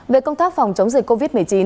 về công tác phòng chống dịch covid một mươi chín